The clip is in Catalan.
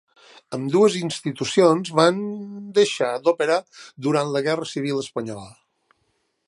Ambdues institucions van deixar d'operar durant la Guerra Civil Espanyola.